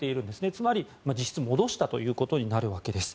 つまり実質、戻したということになるわけです。